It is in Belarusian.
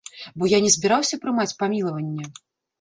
Бо я не збіраўся прымаць памілаванне.